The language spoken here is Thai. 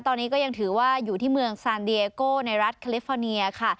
ตอนนี้ก็ยังถือว่าอยู่ที่เมืองซานเดียโก้ในรัฐแคลิฟอร์เนียค่ะ